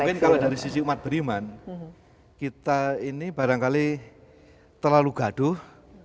mungkin kalau dari sisi umat beriman kita ini barangkali terlalu gaduh